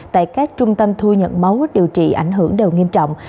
tại các trung tâm thu nhận máu điều trị ảnh hưởng đều nghiêm trọng